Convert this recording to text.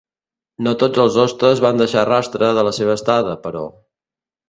No tots els hostes van deixar rastre de la seva estada, però.